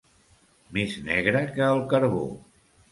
Més negre que el carbó.